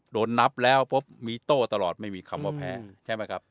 โดนนับแล้วพบมีโต้ตลอดไม่มีคำว่าแพ้ใช่ไหมครับ